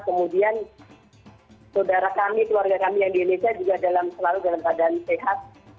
kemudian saudara kami keluarga kami yang di indonesia juga selalu dalam keadaan sehat